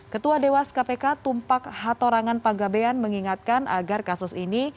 ketua dewas kpk tumpak hatorangan panggabean mengingatkan agar kasus ini